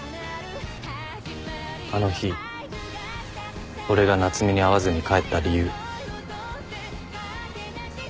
あの日俺が夏海に会わずに帰った理由。